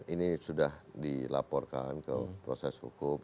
ini sudah dilaporkan ke proses hukum